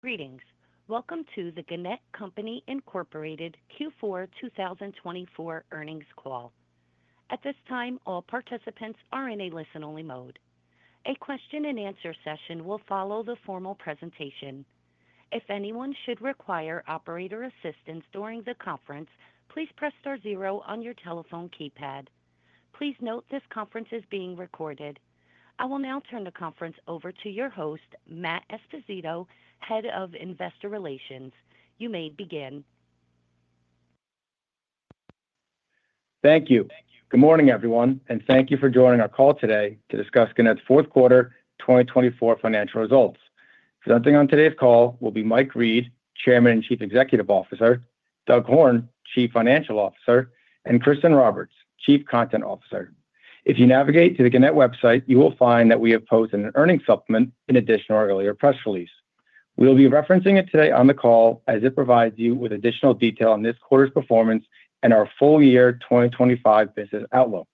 Greetings. Welcome to the Gannett Company Incorporated Q4 2024 Earnings Call. At this time, all participants are in a listen-only mode. A question-and-answer session will follow the formal presentation. If anyone should require operator assistance during the conference, please press star zero on your telephone keypad. Please note this conference is being recorded. I will now turn the conference over to your host, Matt Esposito, Head of Investor Relations. You may begin. Thank you. Thank you. Good morning, everyone, and thank you for joining our call today to discuss Gannett's Fourth Quarter 2024 Financial Results. Presenting on today's call will be Mike Reed, Chairman and Chief Executive Officer, Doug Horne, Chief Financial Officer, and Kristin Roberts, Chief Content Officer. If you navigate to the Gannett website, you will find that we have posted an earnings supplement in addition to our earlier press release. We'll be referencing it today on the call as it provides you with additional detail on this quarter's performance and our full year 2025 business outlook.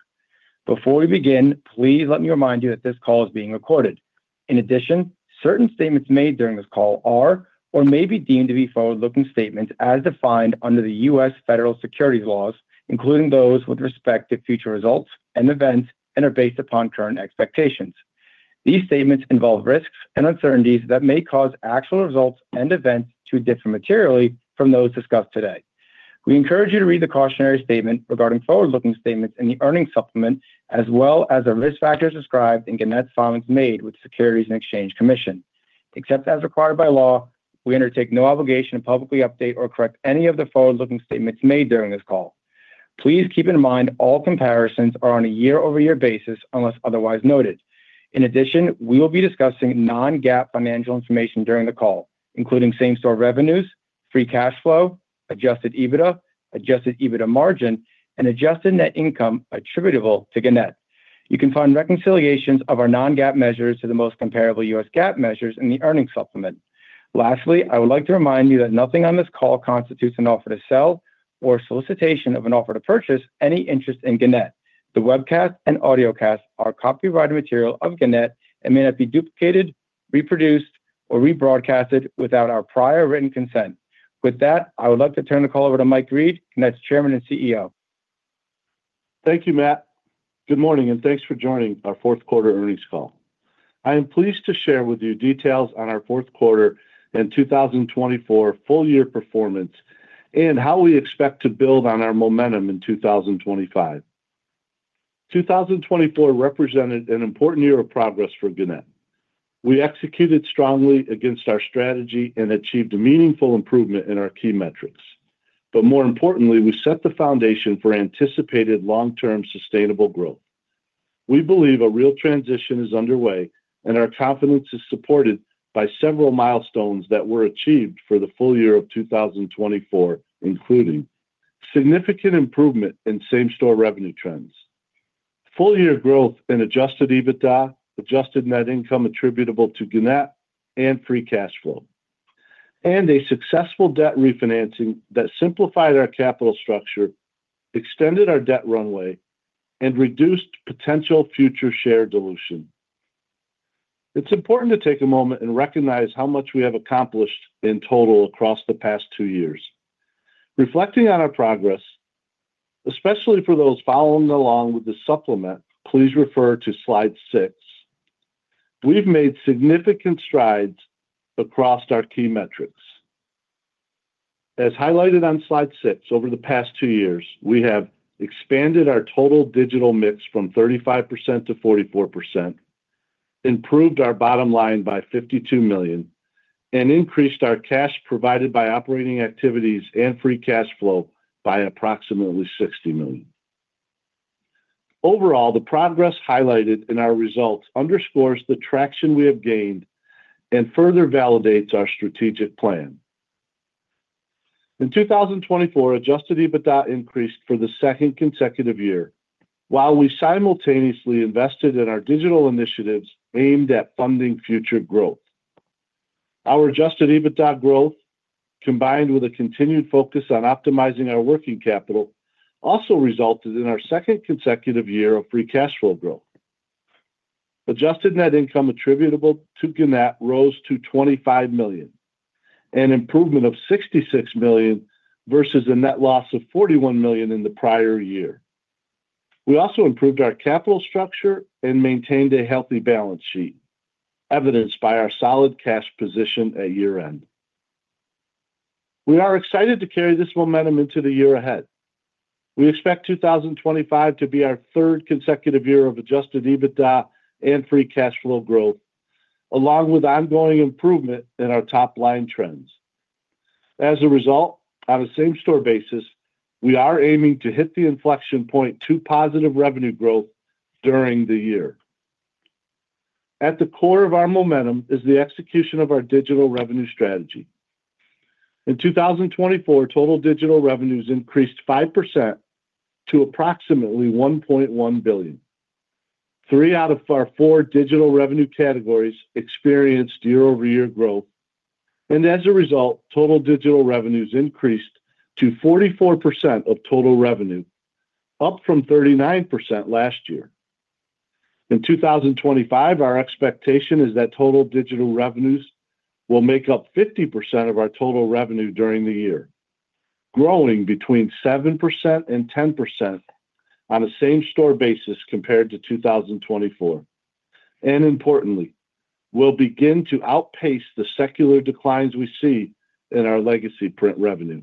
Before we begin, please let me remind you that this call is being recorded. In addition, certain statements made during this call are or may be deemed to be forward-looking statements as defined under the U.S. federal securities laws, including those with respect to future results and events, and are based upon current expectations. These statements involve risks and uncertainties that may cause actual results and events to differ materially from those discussed today. We encourage you to read the cautionary statement regarding forward-looking statements in the earnings supplement, as well as the risk factors described in Gannett's filings made with the Securities and Exchange Commission. Except as required by law, we undertake no obligation to publicly update or correct any of the forward-looking statements made during this call. Please keep in mind all comparisons are on a year-over-year basis unless otherwise noted. In addition, we will be discussing non-GAAP financial information during the call, including same-store revenues, Free Cash Flow, Adjusted EBITDA, Adjusted EBITDA margin, and Adjusted Net Income attributable to Gannett. You can find reconciliations of our non-GAAP measures to the most comparable U.S. GAAP measures in the earnings supplement. Lastly, I would like to remind you that nothing on this call constitutes an offer to sell or solicitation of an offer to purchase any interest in Gannett. The webcast and audio cast are copyrighted material of Gannett and may not be duplicated, reproduced, or rebroadcast without our prior written consent. With that, I would like to turn the call over to Mike Reed, Gannett's Chairman and CEO. Thank you, Matt. Good morning, and thanks for joining our fourth quarter earnings call. I am pleased to share with you details on our fourth quarter and 2024 full-year performance and how we expect to build on our momentum in 2025. 2024 represented an important year of progress for Gannett. We executed strongly against our strategy and achieved a meaningful improvement in our key metrics. But more importantly, we set the foundation for anticipated long-term sustainable growth. We believe a real transition is underway, and our confidence is supported by several milestones that were achieved for the full year of 2024, including: significant improvement in same-store revenue trends, full-year growth in Adjusted EBITDA, Adjusted Net Income attributable to Gannett, and Free Cash Flow, and a successful debt refinancing that simplified our capital structure, extended our debt runway, and reduced potential future share dilution. It's important to take a moment and recognize how much we have accomplished in total across the past two years. Reflecting on our progress, especially for those following along with the supplement, please refer to slide six. We've made significant strides across our key metrics. As highlighted on slide six, over the past two years, we have expanded our total digital mix from 35% to 44%, improved our bottom line by $52 million, and increased our cash provided by operating activities and Free Cash Flow by approximately $60 million. Overall, the progress highlighted in our results underscores the traction we have gained and further validates our strategic plan. In 2024, Adjusted EBITDA increased for the second consecutive year while we simultaneously invested in our digital initiatives aimed at funding future growth. Our Adjusted EBITDA growth, combined with a continued focus on optimizing our working capital, also resulted in our second consecutive year of Free Cash Flow growth. Adjusted Net Income attributable to Gannett rose to $25 million, an improvement of $66 million versus a net loss of $41 million in the prior year. We also improved our capital structure and maintained a healthy balance sheet, evidenced by our solid cash position at year-end. We are excited to carry this momentum into the year ahead. We expect 2025 to be our third consecutive year of Adjusted EBITDA and Free Cash Flow growth, along with ongoing improvement in our top-line trends. As a result, on a same-store basis, we are aiming to hit the inflection point to positive revenue growth during the year. At the core of our momentum is the execution of our digital revenue strategy. In 2024, total digital revenues increased 5% to approximately $1.1 billion. Three out of our four digital revenue categories experienced year-over-year growth, and as a result, total digital revenues increased to 44% of total revenue, up from 39% last year. In 2025, our expectation is that total digital revenues will make up 50% of our total revenue during the year, growing between 7% and 10% on a same-store basis compared to 2024, and importantly, we'll begin to outpace the secular declines we see in our legacy print revenue.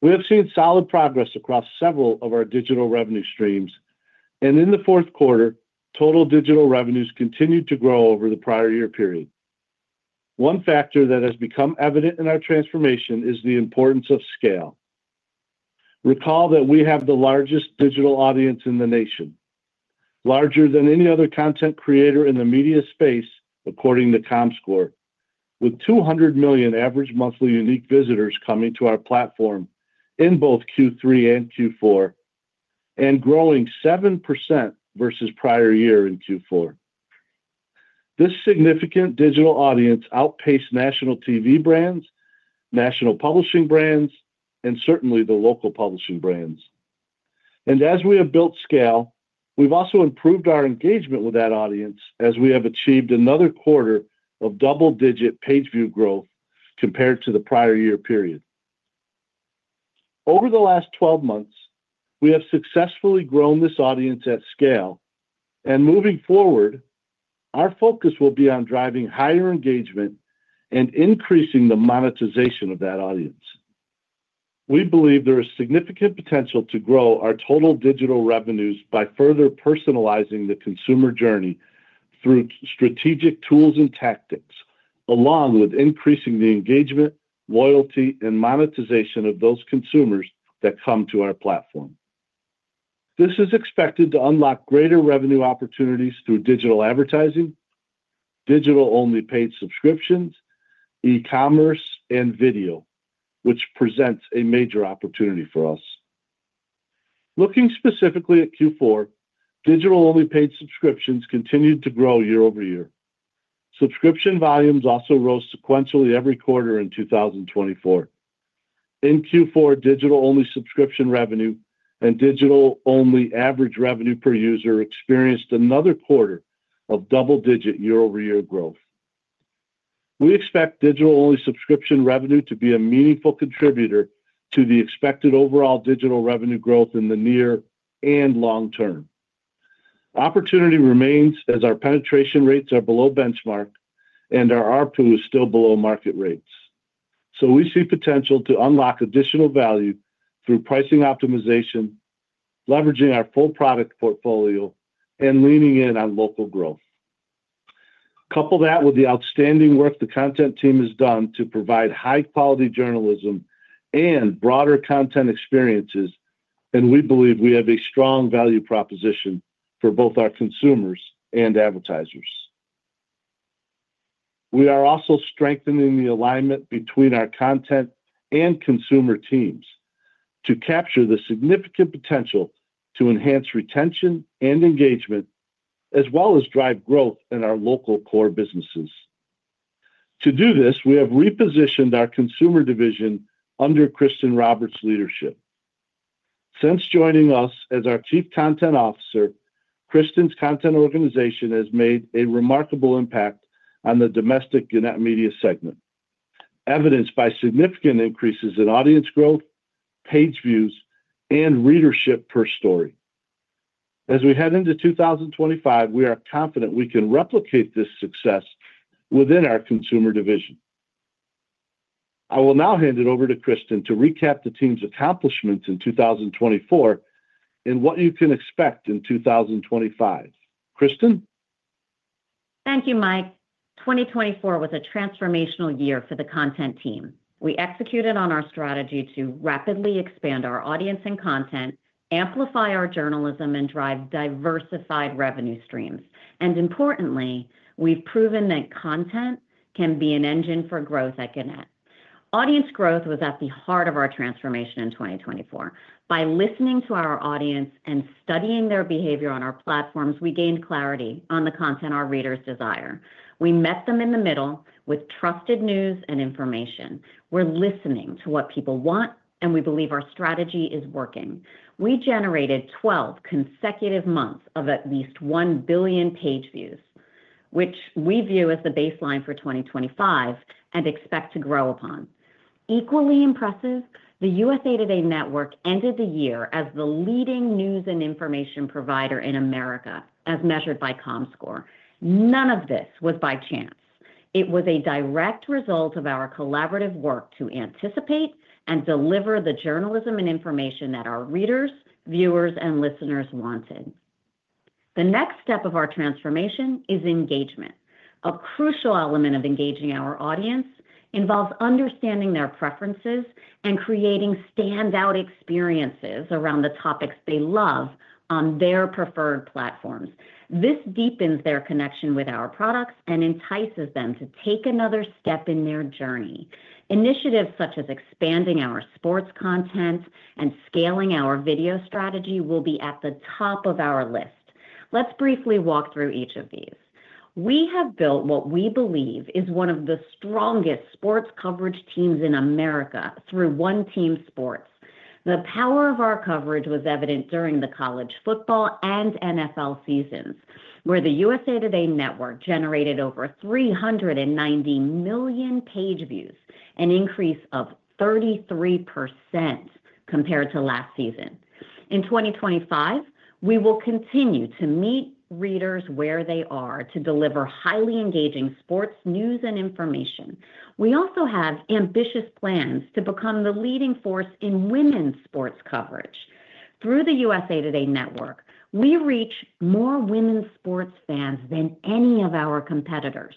We have seen solid progress across several of our digital revenue streams, and in the fourth quarter, total digital revenues continued to grow over the prior year period. One factor that has become evident in our transformation is the importance of scale. Recall that we have the largest digital audience in the nation, larger than any other content creator in the media space, according to Comscore, with 200 million average monthly unique visitors coming to our platform in both Q3 and Q4, and growing 7% versus prior year in Q4. This significant digital audience outpaced national TV brands, national publishing brands, and certainly the local publishing brands, and as we have built scale, we've also improved our engagement with that audience as we have achieved another quarter of double-digit pageview growth compared to the prior year period. Over the last 12 months, we have successfully grown this audience at scale, and moving forward, our focus will be on driving higher engagement and increasing the monetization of that audience. We believe there is significant potential to grow our total digital revenues by further personalizing the consumer journey through strategic tools and tactics, along with increasing the engagement, loyalty, and monetization of those consumers that come to our platform. This is expected to unlock greater revenue opportunities through digital advertising, digital-only paid subscriptions, e-commerce, and video, which presents a major opportunity for us. Looking specifically at Q4, digital-only paid subscriptions continued to grow year-over-year. Subscription volumes also rose sequentially every quarter in 2024. In Q4, digital-only subscription revenue and digital-only average revenue per user experienced another quarter of double-digit year-over-year growth. We expect digital-only subscription revenue to be a meaningful contributor to the expected overall digital revenue growth in the near and long term. Opportunity remains as our penetration rates are below benchmark and our ARPU is still below market rates. So we see potential to unlock additional value through pricing optimization, leveraging our full product portfolio, and leaning in on local growth. Couple that with the outstanding work the Content team has done to provide high-quality journalism and broader content experiences, and we believe we have a strong value proposition for both our consumers and advertisers. We are also strengthening the alignment between our Content and Consumer teams to capture the significant potential to enhance retention and engagement, as well as drive growth in our local core businesses. To do this, we have repositioned our consumer division under Kristin Roberts' leadership. Since joining us as our Chief Content Officer, Kristin's content organization has made a remarkable impact on the Domestic Gannett Media segment, evidenced by significant increases in audience growth, pageviews, and readership per story. As we head into 2025, we are confident we can replicate this success within our consumer division. I will now hand it over to Kristin to recap the team's accomplishments in 2024 and what you can expect in 2025. Kristin? Thank you, Mike. 2024 was a transformational year for the Content team. We executed on our strategy to rapidly expand our audience and content, amplify our journalism, and drive diversified revenue streams, and importantly, we've proven that content can be an engine for growth at Gannett. Audience growth was at the heart of our transformation in 2024. By listening to our audience and studying their behavior on our platforms, we gained clarity on the content our readers desire. We met them in the middle with trusted news and information. We're listening to what people want, and we believe our strategy is working. We generated 12 consecutive months of at least 1 billion pageviews, which we view as the baseline for 2025 and expect to grow upon. Equally impressive, the USA TODAY Network ended the year as the leading news and information provider in America, as measured by Comscore. None of this was by chance. It was a direct result of our collaborative work to anticipate and deliver the journalism and information that our readers, viewers, and listeners wanted. The next step of our transformation is engagement. A crucial element of engaging our audience involves understanding their preferences and creating standout experiences around the topics they love on their preferred platforms. This deepens their connection with our products and entices them to take another step in their journey. Initiatives such as expanding our sports content and scaling our video strategy will be at the top of our list. Let's briefly walk through each of these. We have built what we believe is one of the strongest sports coverage teams in America through One Team sports. The power of our coverage was evident during the college football and NFL seasons, where the USA TODAY Network generated over 390 million pageviews, an increase of 33% compared to last season. In 2025, we will continue to meet readers where they are to deliver highly engaging sports news and information. We also have ambitious plans to become the leading force in women's sports coverage. Through the USA TODAY Network, we reach more women's sports fans than any of our competitors,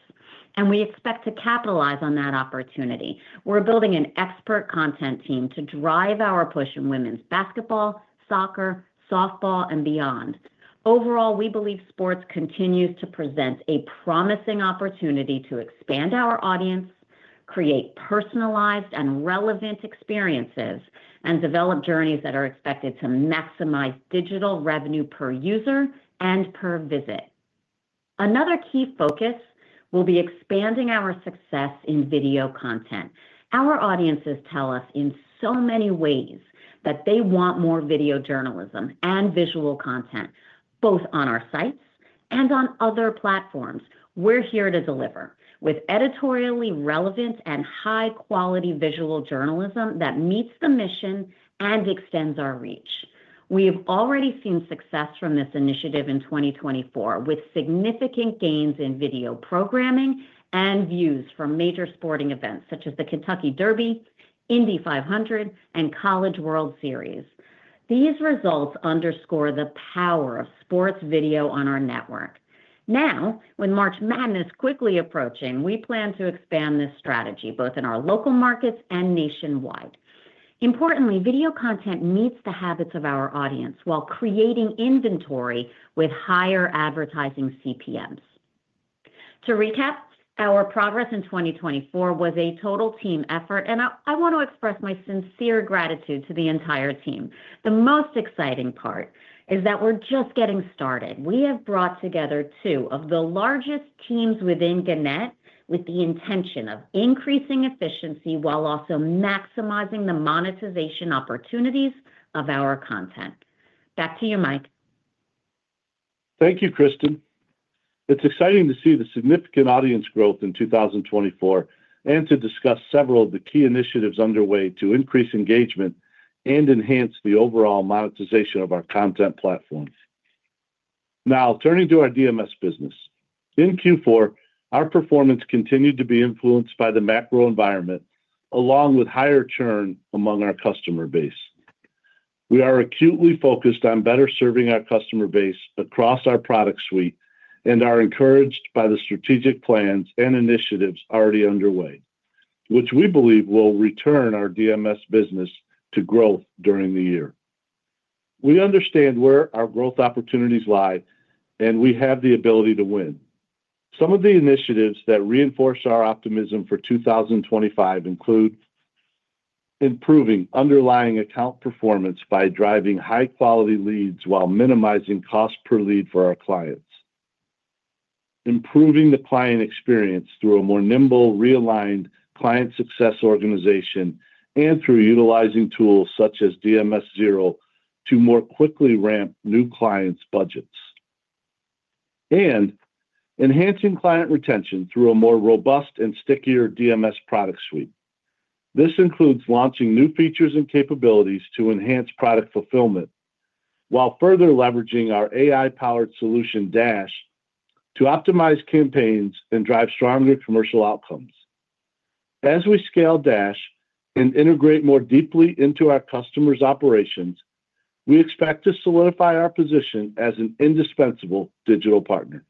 and we expect to capitalize on that opportunity. We're building an expert Content team to drive our push in women's basketball, soccer, softball, and beyond. Overall, we believe sports continues to present a promising opportunity to expand our audience, create personalized and relevant experiences, and develop journeys that are expected to maximize digital revenue per user and per visit. Another key focus will be expanding our success in video content. Our audiences tell us in so many ways that they want more video journalism and visual content, both on our sites and on other platforms. We're here to deliver with editorially relevant and high-quality visual journalism that meets the mission and extends our reach. We have already seen success from this initiative in 2024, with significant gains in video programming and views from major sporting events such as the Kentucky Derby, Indy 500, and College World Series. These results underscore the power of sports video on our network. Now, with March Madness quickly approaching, we plan to expand this strategy both in our local markets and nationwide. Importantly, video content meets the habits of our audience while creating inventory with higher advertising CPMs. To recap, our progress in 2024 was a total team effort, and I want to express my sincere gratitude to the entire team. The most exciting part is that we're just getting started. We have brought together two of the largest teams within Gannett with the intention of increasing efficiency while also maximizing the monetization opportunities of our content. Back to you, Mike. Thank you, Kristin. It's exciting to see the significant audience growth in 2024 and to discuss several of the key initiatives underway to increase engagement and enhance the overall monetization of our content platforms. Now, turning to our DMS business. In Q4, our performance continued to be influenced by the macro environment, along with higher churn among our customer base. We are acutely focused on better serving our customer base across our product suite and are encouraged by the strategic plans and initiatives already underway, which we believe will return our DMS business to growth during the year. We understand where our growth opportunities lie, and we have the ability to win. Some of the initiatives that reinforce our optimism for 2025 include improving underlying account performance by driving high-quality leads while minimizing cost per lead for our clients, improving the client experience through a more nimble, realigned client success organization, and through utilizing tools such as [DMS Zero] to more quickly ramp new clients' budgets, and enhancing client retention through a more robust and stickier DMS product suite. This includes launching new features and capabilities to enhance product fulfillment while further leveraging our AI-powered solution, Dash, to optimize campaigns and drive stronger commercial outcomes. As we scale Dash and integrate more deeply into our customers' operations, we expect to solidify our position as an indispensable digital partner.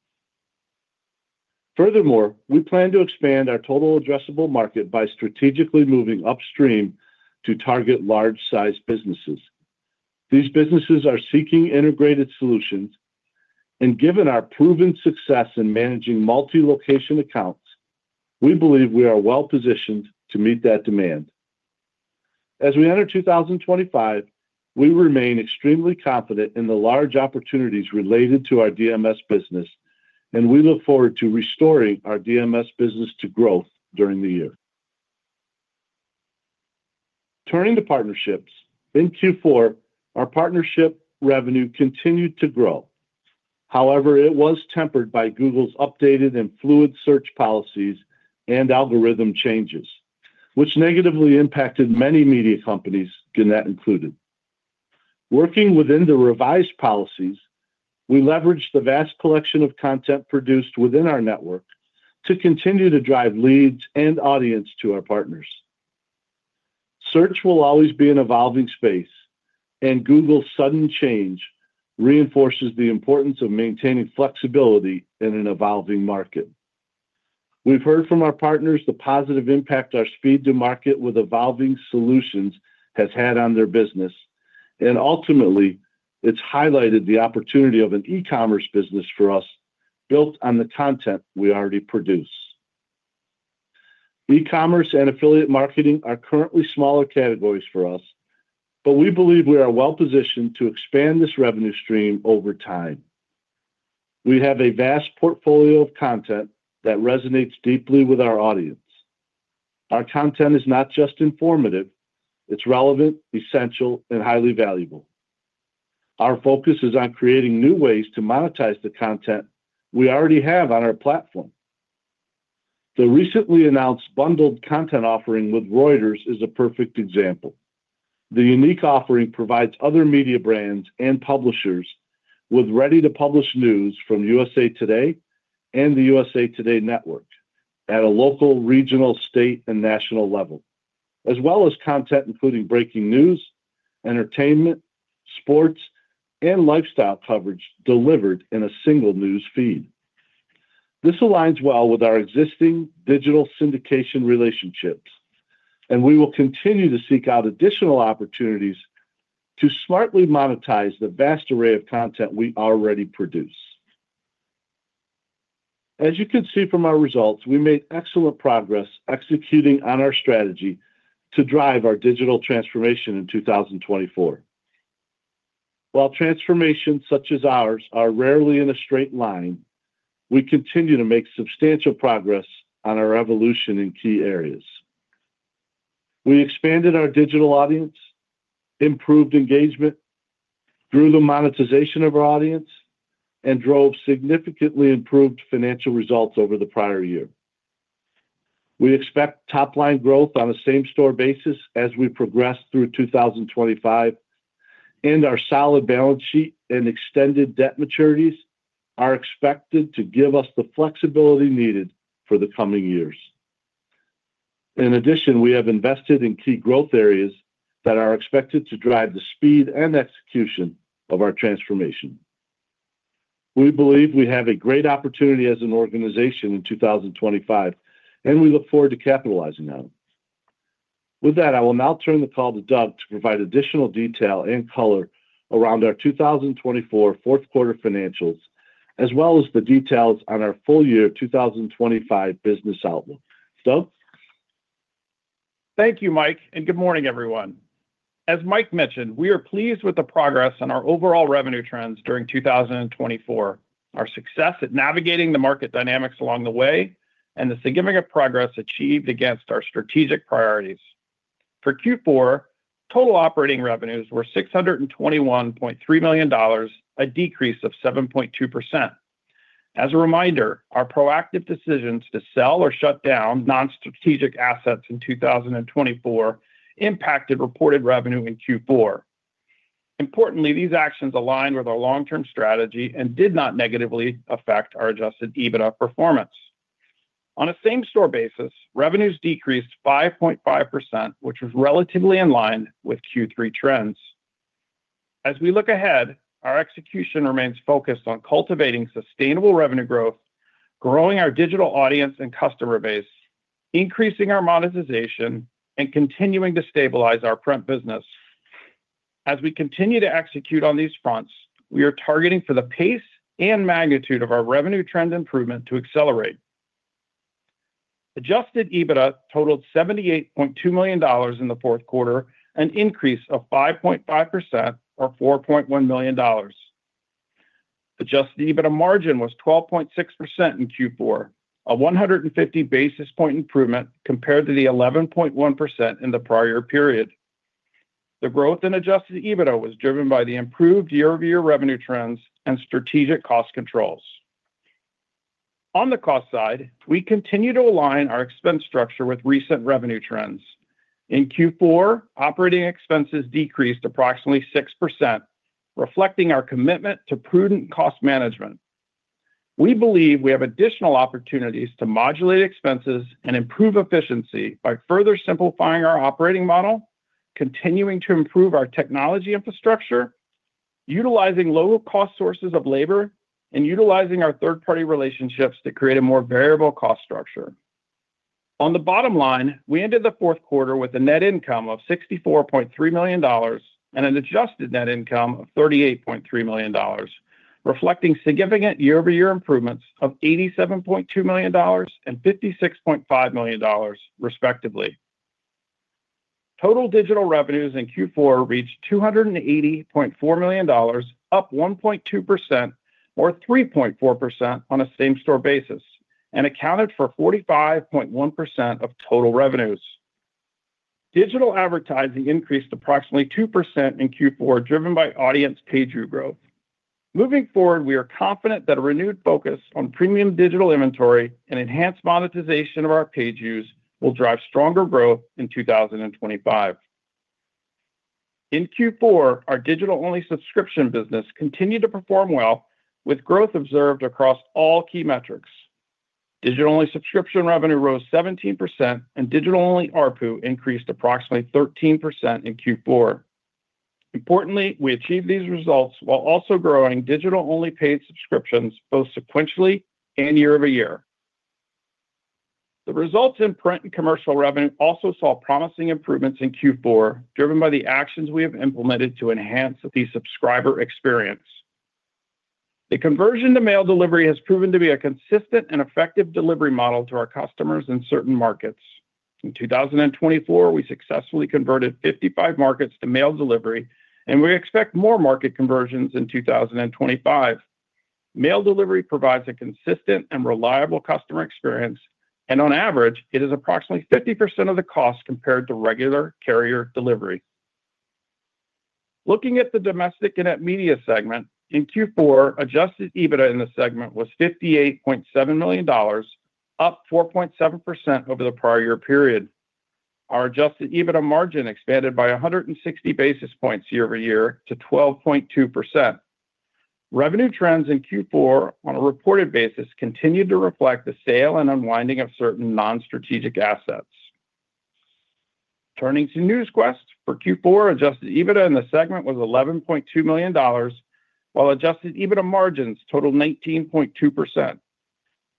Furthermore, we plan to expand our total addressable market by strategically moving upstream to target large-sized businesses. These businesses are seeking integrated solutions, and given our proven success in managing multi-location accounts, we believe we are well-positioned to meet that demand. As we enter 2025, we remain extremely confident in the large opportunities related to our DMS business, and we look forward to restoring our DMS business to growth during the year. Turning to partnerships, in Q4, our partnership revenue continued to grow. However, it was tempered by Google's updated and fluid search policies and algorithm changes, which negatively impacted many media companies, Gannett included. Working within the revised policies, we leveraged the vast collection of content produced within our network to continue to drive leads and audience to our partners. Search will always be an evolving space, and Google's sudden change reinforces the importance of maintaining flexibility in an evolving market. We've heard from our partners the positive impact our speed-to-market with evolving solutions has had on their business, and ultimately, it's highlighted the opportunity of an e-commerce business for us built on the content we already produce. E-commerce and affiliate marketing are currently smaller categories for us, but we believe we are well-positioned to expand this revenue stream over time. We have a vast portfolio of content that resonates deeply with our audience. Our content is not just informative. It's relevant, essential, and highly valuable. Our focus is on creating new ways to monetize the content we already have on our platform. The recently announced bundled content offering with Reuters is a perfect example. The unique offering provides other media brands and publishers with ready-to-publish news from USA TODAY and the USA TODAY Network at a local, regional, state, and national level, as well as content including breaking news, entertainment, sports, and lifestyle coverage delivered in a single news feed. This aligns well with our existing digital syndication relationships, and we will continue to seek out additional opportunities to smartly monetize the vast array of content we already produce. As you can see from our results, we made excellent progress executing on our strategy to drive our digital transformation in 2024. While transformations such as ours are rarely in a straight line, we continue to make substantial progress on our evolution in key areas. We expanded our digital audience, improved engagement, grew the monetization of our audience, and drove significantly improved financial results over the prior year. We expect top-line growth on a same-store basis as we progress through 2025, and our solid balance sheet and extended debt maturities are expected to give us the flexibility needed for the coming years. In addition, we have invested in key growth areas that are expected to drive the speed and execution of our transformation. We believe we have a great opportunity as an organization in 2025, and we look forward to capitalizing on it. With that, I will now turn the call to Doug to provide additional detail and color around our 2024 fourth-quarter financials, as well as the details on our full-year 2025 business outlook. Doug? Thank you, Mike, and good morning, everyone. As Mike mentioned, we are pleased with the progress in our overall revenue trends during 2024, our success at navigating the market dynamics along the way, and the significant progress achieved against our strategic priorities. For Q4, total operating revenues were $621.3 million, a decrease of 7.2%. As a reminder, our proactive decisions to sell or shut down non-strategic assets in 2024 impacted reported revenue in Q4. Importantly, these actions aligned with our long-term strategy and did not negatively affect our Adjusted EBITDA performance. On a same-store basis, revenues decreased 5.5%, which was relatively in line with Q3 trends. As we look ahead, our execution remains focused on cultivating sustainable revenue growth, growing our digital audience and customer base, increasing our monetization, and continuing to stabilize our print business. As we continue to execute on these fronts, we are targeting for the pace and magnitude of our revenue trend improvement to accelerate. Adjusted EBITDA totaled $78.2 million in the fourth quarter, an increase of 5.5%, or $4.1 million. Adjusted EBITDA margin was 12.6% in Q4, a 150 basis point improvement compared to the 11.1% in the prior period. The growth in Adjusted EBITDA was driven by the improved year-over-year revenue trends and strategic cost controls. On the cost side, we continue to align our expense structure with recent revenue trends. In Q4, operating expenses decreased approximately 6%, reflecting our commitment to prudent cost management. We believe we have additional opportunities to modulate expenses and improve efficiency by further simplifying our operating model, continuing to improve our technology infrastructure, utilizing low-cost sources of labor, and utilizing our third-party relationships to create a more variable cost structure. On the bottom line, we ended the fourth quarter with a net income of $64.3 million and an Adjusted Net Income of $38.3 million, reflecting significant year-over-year improvements of $87.2 million and $56.5 million, respectively. Total digital revenues in Q4 reached $280.4 million, up 1.2%, or 3.4%, on a same-store basis, and accounted for 45.1% of total revenues. Digital advertising increased approximately 2% in Q4, driven by audience pageview growth. Moving forward, we are confident that a renewed focus on premium digital inventory and enhanced monetization of our pageviews will drive stronger growth in 2025. In Q4, our digital-only subscription business continued to perform well, with growth observed across all key metrics. Digital-only subscription revenue rose 17%, and digital-only ARPU increased approximately 13% in Q4. Importantly, we achieved these results while also growing digital-only paid subscriptions both sequentially and year-over-year. The results in print and commercial revenue also saw promising improvements in Q4, driven by the actions we have implemented to enhance the subscriber experience. The conversion to mail delivery has proven to be a consistent and effective delivery model to our customers in certain markets. In 2024, we successfully converted 55 markets to mail delivery, and we expect more market conversions in 2025. Mail delivery provides a consistent and reliable customer experience, and on average, it is approximately 50% of the cost compared to regular carrier delivery. Looking at the Domestic Gannett Media segment, in Q4, Adjusted EBITDA in the segment was $58.7 million, up 4.7% over the prior year period. Our Adjusted EBITDA margin expanded by 160 basis points year-over-year to 12.2%. Revenue trends in Q4, on a reported basis, continued to reflect the sale and unwinding of certain non-strategic assets. Turning to Newsquest, for Q4, Adjusted EBITDA in the segment was $11.2 million, while Adjusted EBITDA margins totaled 19.2%.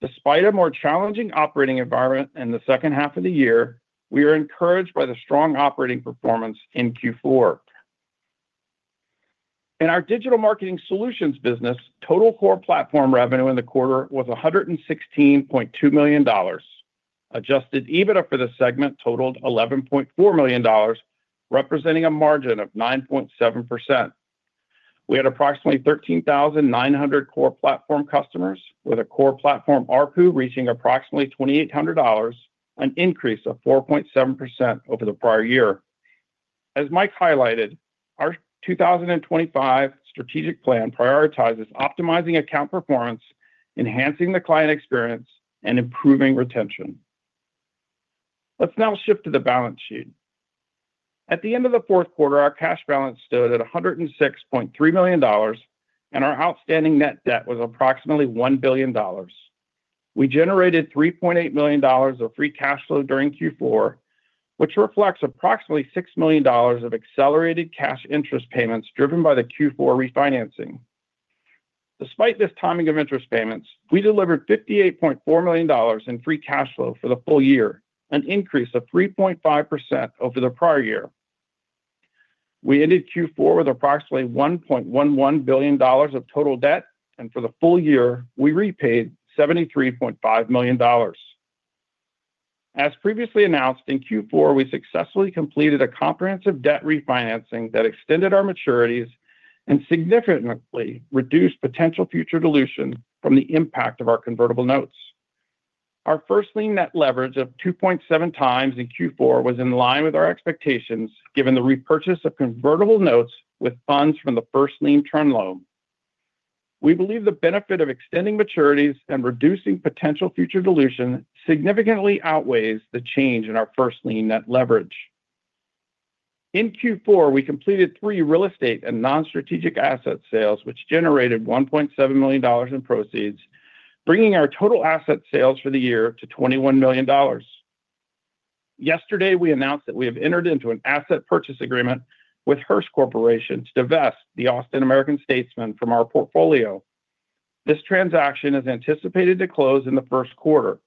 Despite a more challenging operating environment in the second half of the year, we are encouraged by the strong operating performance in Q4. In our digital marketing solutions business, total core platform revenue in the quarter was $116.2 million. Adjusted EBITDA for this segment totaled $11.4 million, representing a margin of 9.7%. We had approximately 13,900 core platform customers, with a core platform ARPU reaching approximately $2,800, an increase of 4.7% over the prior year. As Mike highlighted, our 2025 strategic plan prioritizes optimizing account performance, enhancing the client experience, and improving retention. Let's now shift to the balance sheet. At the end of the fourth quarter, our cash balance stood at $106.3 million, and our outstanding net debt was approximately $1 billion. We generated $3.8 million of Free Cash Flow during Q4, which reflects approximately $6 million of accelerated cash interest payments driven by the Q4 refinancing. Despite this timing of interest payments, we delivered $58.4 million in Free Cash Flow for the full year, an increase of 3.5% over the prior year. We ended Q4 with approximately $1.11 billion of total debt, and for the full year, we repaid $73.5 million. As previously announced, in Q4, we successfully completed a comprehensive debt refinancing that extended our maturities and significantly reduced potential future dilution from the impact of our convertible notes. Our first-lien net leverage of 2.7x in Q4 was in line with our expectations, given the repurchase of convertible notes with funds from the first-lien term loan. We believe the benefit of extending maturities and reducing potential future dilution significantly outweighs the change in our first-lien net leverage. In Q4, we completed three real estate and non-strategic asset sales, which generated $1.7 million in proceeds, bringing our total asset sales for the year to $21 million. Yesterday, we announced that we have entered into an asset purchase agreement with Hearst Corporation to divest the Austin American-Statesman from our portfolio. This transaction is anticipated to close in the first quarter.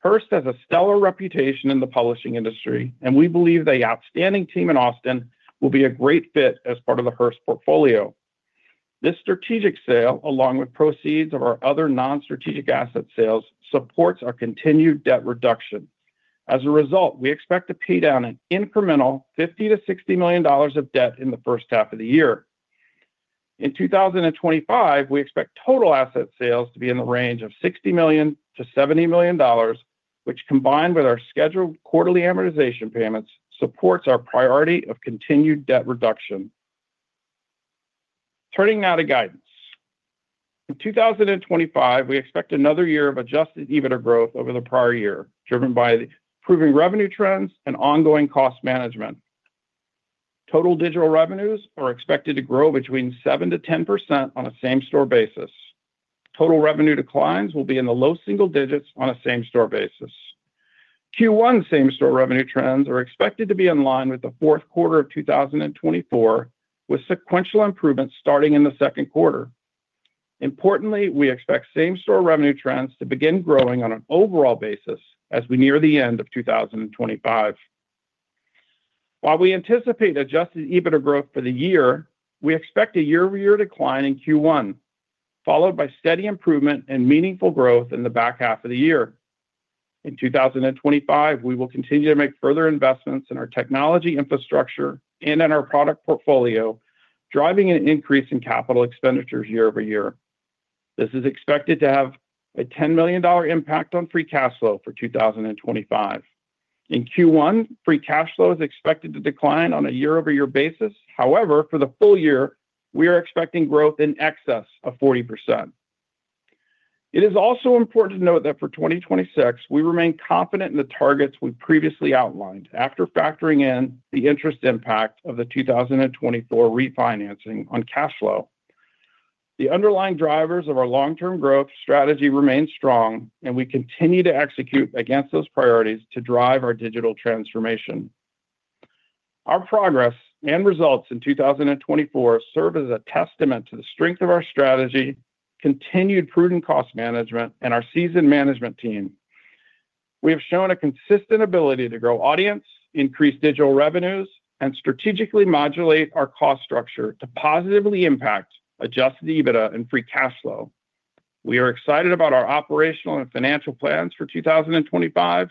Hearst has a stellar reputation in the publishing industry, and we believe the outstanding team in Austin will be a great fit as part of the Hearst portfolio. This strategic sale, along with proceeds of our other non-strategic asset sales, supports our continued debt reduction. As a result, we expect to pay down an incremental $50-$60 million of debt in the first half of the year. In 2025, we expect total asset sales to be in the range of $60 million-$70 million, which, combined with our scheduled quarterly amortization payments, supports our priority of continued debt reduction. Turning now to guidance. In 2025, we expect another year of Adjusted EBITDA growth over the prior year, driven by improving revenue trends and ongoing cost management. Total digital revenues are expected to grow between 7%-10% on a same-store basis. Total revenue declines will be in the low single digits on a same-store basis. Q1 same-store revenue trends are expected to be in line with the fourth quarter of 2024, with sequential improvements starting in the second quarter. Importantly, we expect same-store revenue trends to begin growing on an overall basis as we near the end of 2025. While we anticipate Adjusted EBITDA growth for the year, we expect a year-over-year decline in Q1, followed by steady improvement and meaningful growth in the back half of the year. In 2025, we will continue to make further investments in our technology infrastructure and in our product portfolio, driving an increase in capital expenditures year-over-year. This is expected to have a $10 million impact on Free Cash Flow for 2025. In Q1, Free Cash Flow is expected to decline on a year-over-year basis. However, for the full year, we are expecting growth in excess of 40%. It is also important to note that for 2026, we remain confident in the targets we previously outlined, after factoring in the interest impact of the 2024 refinancing on cash flow. The underlying drivers of our long-term growth strategy remain strong, and we continue to execute against those priorities to drive our digital transformation. Our progress and results in 2024 serve as a testament to the strength of our strategy, continued prudent cost management, and our seasoned management team. We have shown a consistent ability to grow audience, increase digital revenues, and strategically modulate our cost structure to positively impact Adjusted EBITDA and Free Cash Flow. We are excited about our operational and financial plans for 2025,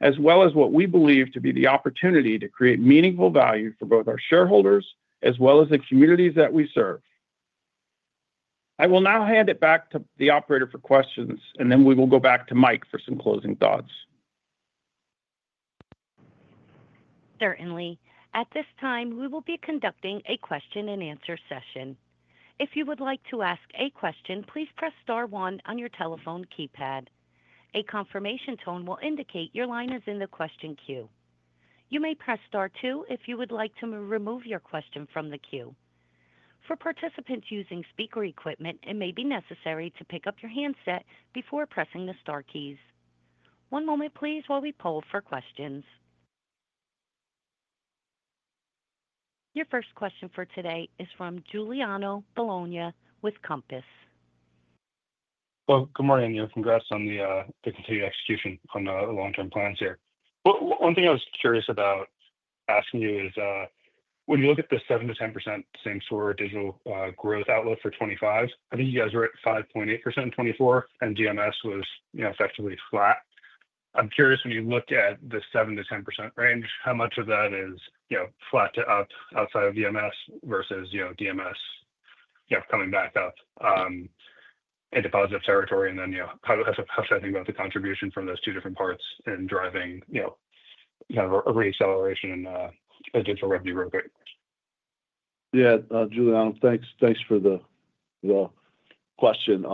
as well as what we believe to be the opportunity to create meaningful value for both our shareholders as well as the communities that we serve. I will now hand it back to the operator for questions, and then we will go back to Mike for some closing thoughts. Certainly. At this time, we will be conducting a question-and-answer session. If you would like to ask a question, please press star one on your telephone keypad. A confirmation tone will indicate your line is in the question queue. You may press star two if you would like to remove your question from the queue. For participants using speaker equipment, it may be necessary to pick up your handset before pressing the star keys. One moment, please, while we poll for questions. Your first question for today is from Giuliano Bologna with Compass. Good morning, and congrats on the continued execution on the long-term plans here. One thing I was curious about asking you is, when you look at the 7%-10% same-store digital growth outlook for 2025, I think you guys were at 5.8% in 2024, and DMS was effectively flat. I'm curious, when you look at the 7%-10% range, how much of that is flat to up outside of DMS versus DMS coming back up into positive territory? And then how should I think about the contribution from those two different parts in driving a re-acceleration and a digital revenue growth rate? Yeah, Giuliano, thanks for the question.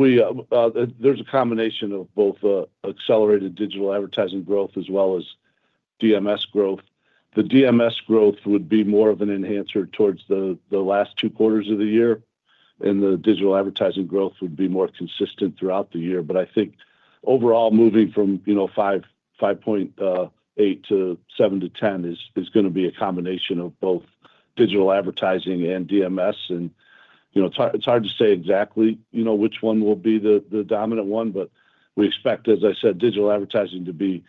There's a combination of both accelerated digital advertising growth as well as DMS growth. The DMS growth would be more of an enhancer towards the last two quarters of the year, and the digital advertising growth would be more consistent throughout the year. But I think overall, moving from 5.8 to 7 to 10 is going to be a combination of both digital advertising and DMS. And it's hard to say exactly which one will be the dominant one, but we expect, as I said, digital advertising to be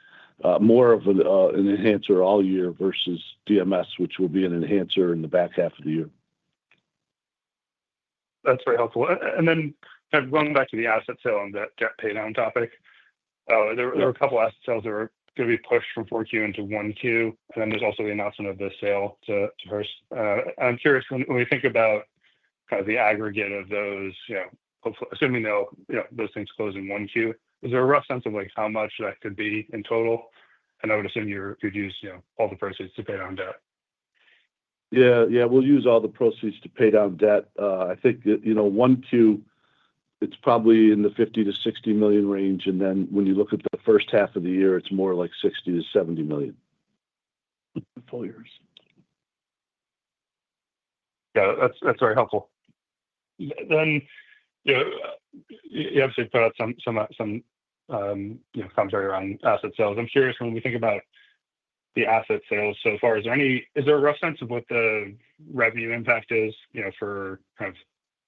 more of an enhancer all year versus DMS, which will be an enhancer in the back half of the year. That's very helpful. And then going back to the asset sale and the debt paydown topic, there were a couple of asset sales that were going to be pushed from 4Q into 1Q, and then there's also the announcement of the sale to Hearst. And I'm curious, when we think about kind of the aggregate of those, assuming those things close in 1Q, is there a rough sense of how much that could be in total? And I would assume you'd use all the proceeds to pay down debt. Yeah, yeah, we'll use all the proceeds to pay down debt. I think 1Q, it's probably in the $50 million-$60 million range, and then when you look at the first half of the year, it's more like $60 million-$70 million in full years. Yeah, that's very helpful. Then you obviously put out some commentary around asset sales. I'm curious, when we think about the asset sales so far, is there a rough sense of what the revenue impact is for kind of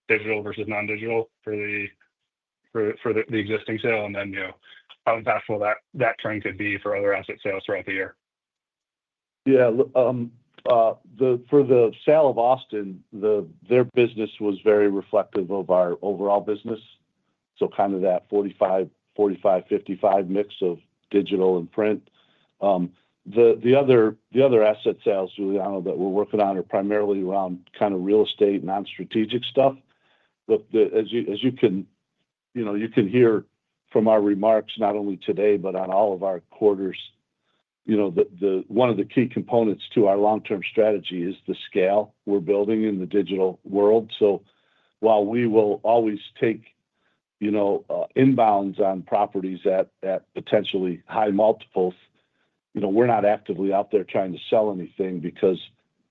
digital versus non-digital for the existing sale, and then how impactful that trend could be for other asset sales throughout the year? Yeah, for the sale of Austin, their business was very reflective of our overall business, so kind of that 45-55 mix of digital and print. The other asset sales, Giuliano, that we're working on are primarily around kind of real estate, non-strategic stuff. But as you can hear from our remarks, not only today, but on all of our quarters, one of the key components to our long-term strategy is the scale we're building in the digital world. So while we will always take inbounds on properties at potentially high multiples, we're not actively out there trying to sell anything because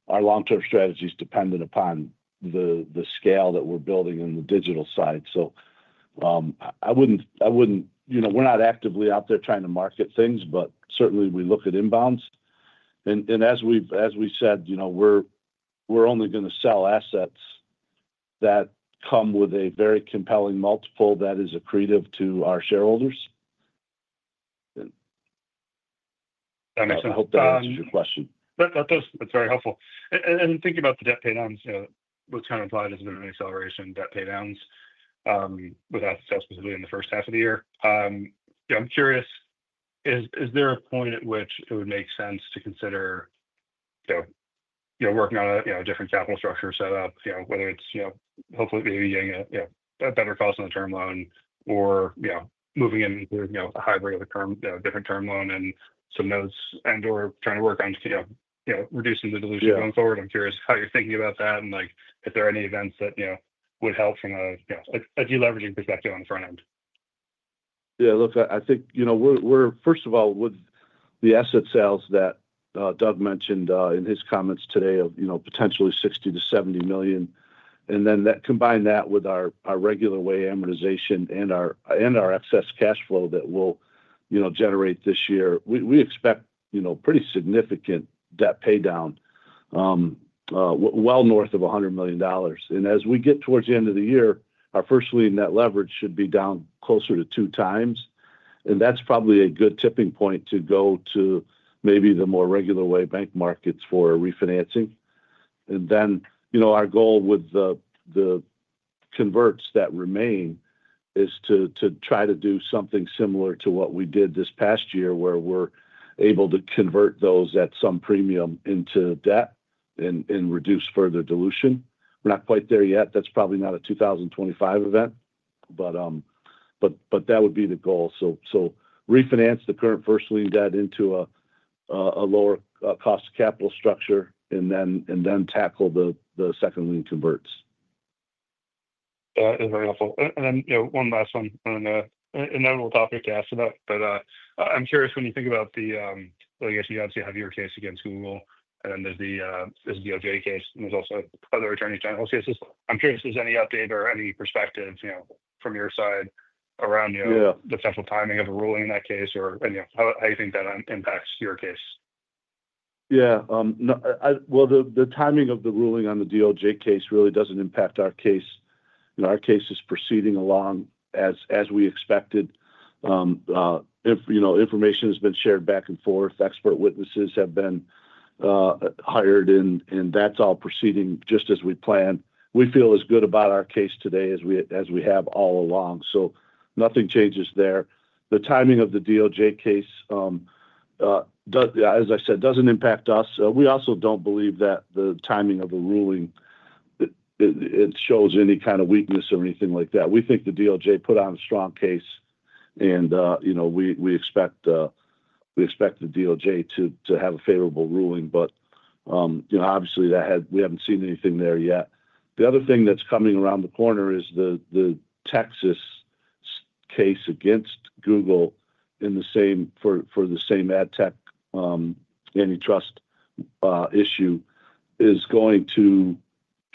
our long-term strategy is dependent upon the scale that we're building in the digital side. So I wouldn't—we're not actively out there trying to market things, but certainly we look at inbounds. As we said, we're only going to sell assets that come with a very compelling multiple that is accretive to our shareholders. That makes sense. I hope that answers your question. That's very helpful. And thinking about the debt paydowns, what's kind of implied has been an acceleration of debt paydowns with asset sales specifically in the first half of the year. I'm curious, is there a point at which it would make sense to consider working on a different capital structure setup, whether it's hopefully maybe getting a better cost on the term loan or moving into a hybrid of a different term loan and some notes and/or trying to work on reducing the dilution going forward? I'm curious how you're thinking about that and if there are any events that would help from a deleveraging perspective on the front end. Yeah, look, I think we're, first of all, with the asset sales that Doug mentioned in his comments today of potentially $60 million-$70 million, and then combine that with our regular way amortization and our excess cash flow that we'll generate this year, we expect pretty significant debt paydown well north of $100 million. And as we get towards the end of the year, our first-lien net leverage should be down closer to 2x, and that's probably a good tipping point to go to maybe the more regular way bank markets for refinancing. And then our goal with the converts that remain is to try to do something similar to what we did this past year where we're able to convert those at some premium into debt and reduce further dilution. We're not quite there yet. That's probably not a 2025 event, but that would be the goal. So refinance the current first-lien debt into a lower cost capital structure and then tackle the second-lien converts. That is very helpful, and then one last one, and a notable topic to ask about, but I'm curious, when you think about the, well, I guess you obviously have your case against Google, and then there's the DOJ case, and there's also other attorneys general cases. I'm curious, is there any update or any perspective from your side around the potential timing of a ruling in that case, or how do you think that impacts your case? Yeah. Well, the timing of the ruling on the DOJ case really doesn't impact our case. Our case is proceeding along as we expected. Information has been shared back and forth. Expert witnesses have been hired, and that's all proceeding just as we planned. We feel as good about our case today as we have all along, so nothing changes there. The timing of the DOJ case, as I said, doesn't impact us. We also don't believe that the timing of the ruling shows any kind of weakness or anything like that. We think the DOJ put on a strong case, and we expect the DOJ to have a favorable ruling, but obviously, we haven't seen anything there yet. The other thing that's coming around the corner is the Texas case against Google for the same ad tech antitrust issue is going to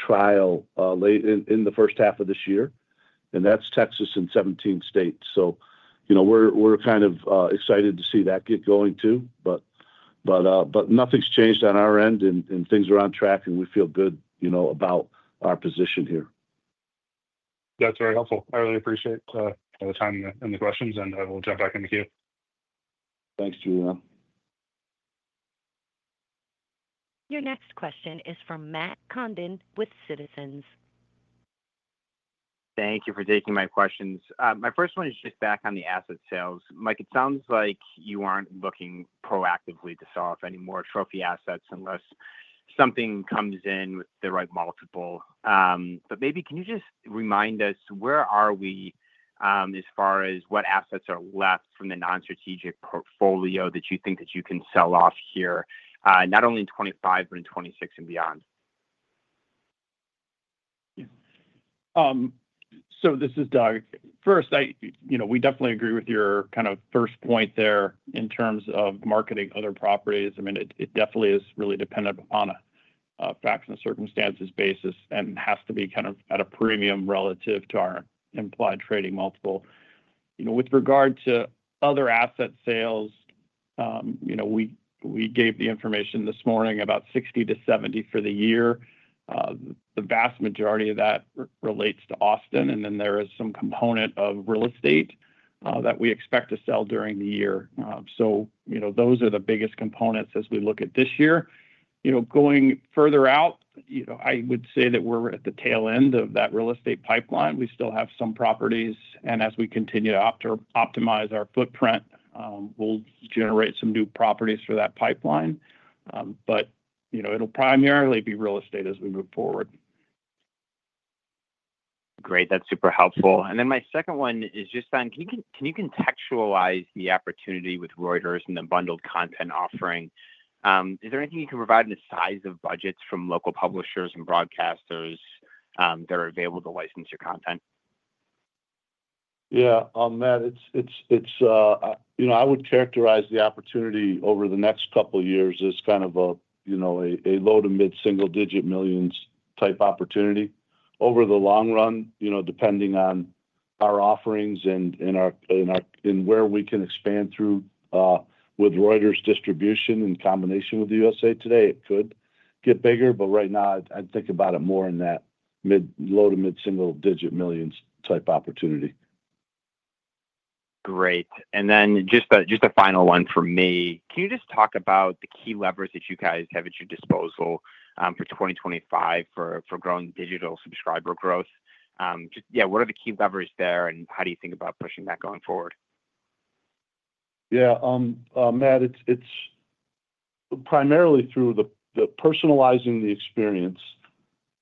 trial in the first half of this year, and that's Texas and 17 states. So we're kind of excited to see that get going too, but nothing's changed on our end, and things are on track, and we feel good about our position here. That's very helpful. I really appreciate the time and the questions, and we'll jump back into the queue. Thanks, Giuliano. Your next question is from Matt Condon with Citizens. Thank you for taking my questions. My first one is just back on the asset sales. Mike, it sounds like you aren't looking proactively to sell off any more trophy assets unless something comes in with the right multiple. But maybe can you just remind us, where are we as far as what assets are left from the non-strategic portfolio that you think that you can sell off here, not only in 2025, but in 2026 and beyond? So this is Doug. First, we definitely agree with your kind of first point there in terms of marketing other properties. I mean, it definitely is really dependent upon a facts and circumstances basis and has to be kind of at a premium relative to our implied trading multiple. With regard to other asset sales, we gave the information this morning about $60-$70 million for the year. The vast majority of that relates to Austin, and then there is some component of real estate that we expect to sell during the year. So those are the biggest components as we look at this year. Going further out, I would say that we're at the tail end of that real estate pipeline. We still have some properties, and as we continue to optimize our footprint, we'll generate some new properties for that pipeline, but it'll primarily be real estate as we move forward. Great. That's super helpful. And then my second one is just on, can you contextualize the opportunity with Reuters and the bundled content offering? Is there anything you can provide in the size of budgets from local publishers and broadcasters that are available to license your content? Yeah. On that, I would characterize the opportunity over the next couple of years as kind of a low to mid-single-digit millions type opportunity. Over the long run, depending on our offerings and where we can expand through with Reuters distribution in combination with the USA TODAY, it could get bigger, but right now, I think about it more in that low to mid-single-digit millions type opportunity. Great. And then just a final one for me. Can you just talk about the key levers that you guys have at your disposal for 2025 for growing digital subscriber growth? Yeah, what are the key levers there, and how do you think about pushing that going forward? Yeah. Matt, it's primarily through personalizing the experience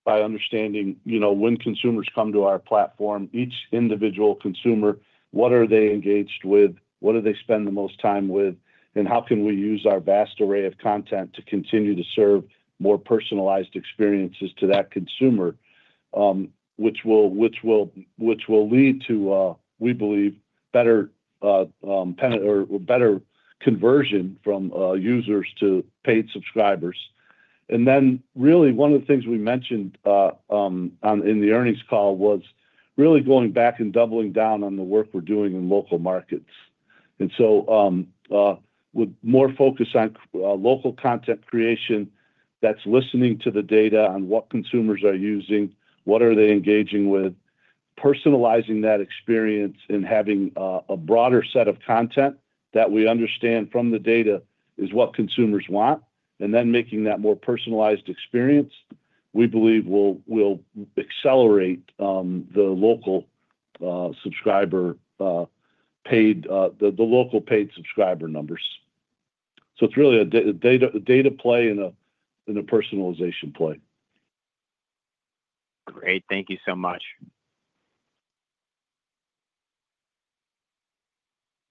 by understanding when consumers come to our platform, each individual consumer, what are they engaged with, what do they spend the most time with, and how can we use our vast array of content to continue to serve more personalized experiences to that consumer, which will lead to, we believe, better conversion from users to paid subscribers. And then really, one of the things we mentioned in the earnings call was really going back and doubling down on the work we're doing in local markets. And so, with more focus on local content creation that's listening to the data on what consumers are using, what are they engaging with, personalizing that experience and having a broader set of content that we understand from the data is what consumers want, and then making that more personalized experience, we believe will accelerate the local paid subscriber numbers. So it's really a data play and a personalization play. Great. Thank you so much.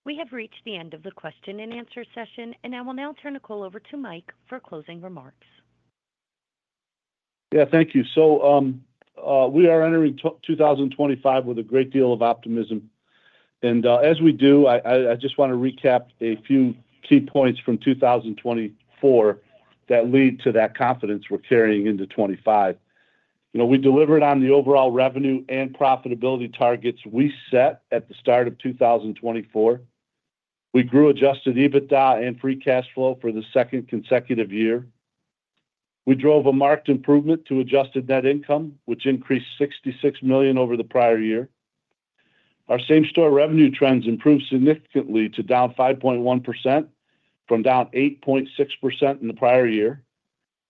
We have reached the end of the question and answer session, and I will now turn the call over to Mike for closing remarks. Yeah, thank you, so we are entering 2025 with a great deal of optimism, and as we do, I just want to recap a few key points from 2024 that lead to that confidence we're carrying into 2025. We delivered on the overall revenue and profitability targets we set at the start of 2024. We grew Adjusted EBITDA and Free Cash Flow for the second consecutive year. We drove a marked improvement to Adjusted Net Income, which increased $66 million over the prior year. Our same-store revenue trends improved significantly to down 5.1% from down 8.6% in the prior year.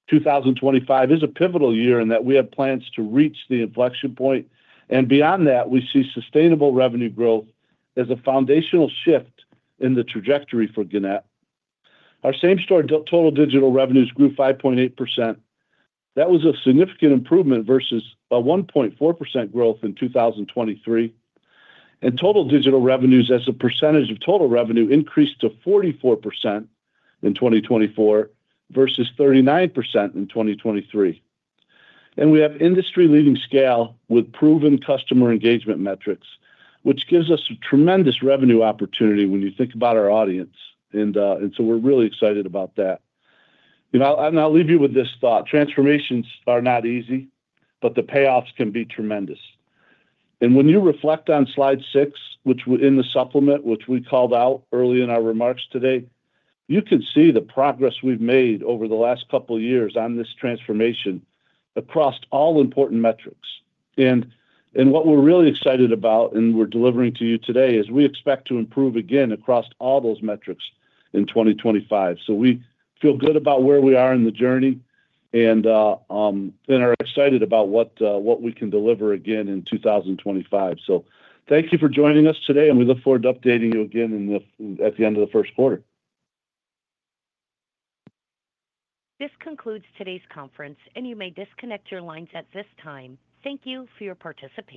2025 is a pivotal year in that we have plans to reach the inflection point, and beyond that, we see sustainable revenue growth as a foundational shift in the trajectory for Gannett. Our same-store total digital revenues grew 5.8%. That was a significant improvement versus a 1.4% growth in 2023. And total digital revenues as a percentage of total revenue increased to 44% in 2024 versus 39% in 2023. And we have industry-leading scale with proven customer engagement metrics, which gives us a tremendous revenue opportunity when you think about our audience. And so we're really excited about that. And I'll leave you with this thought: transformations are not easy, but the payoffs can be tremendous. And when you reflect on slide six, which in the supplement, which we called out early in our remarks today, you can see the progress we've made over the last couple of years on this transformation across all important metrics. And what we're really excited about and we're delivering to you today is we expect to improve again across all those metrics in 2025. So we feel good about where we are in the journey and are excited about what we can deliver again in 2025. So thank you for joining us today, and we look forward to updating you again at the end of the first quarter. This concludes today's conference, and you may disconnect your lines at this time. Thank you for your participation.